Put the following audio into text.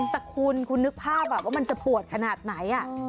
แต่คุณคุณนึกภาพว่ามันจะปวดขนาดไหน